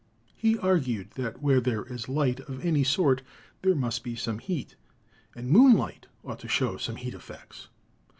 He argued that where there is light of any sort there must be some heat, and moonlight ought to show some heat effects.